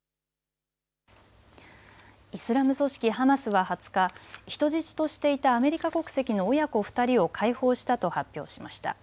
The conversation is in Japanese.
イスラム組織ハマスは２０日、人質としていたアメリカ国籍の親子２人を解放したと発表しました。